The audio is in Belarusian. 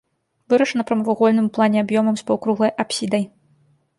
Вырашана прамавугольным у плане аб'ёмам з паўкруглай апсідай.